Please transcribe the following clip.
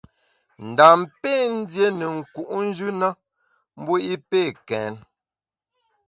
Ndam pé ndié ne nku’njù na mbu i pé kèn.